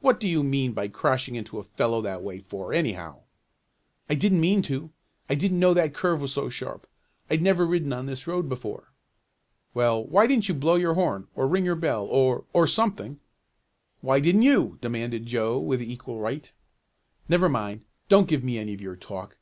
"What do you mean by crashing into a fellow that way for, anyhow?" "I didn't mean to. I didn't know that curve was so sharp. I'd never ridden on this road before." "Well, why didn't you blow your horn or ring your bell or or something?" "Why didn't you?" demanded Joe with equal right. "Never mind. Don't give me any of your talk.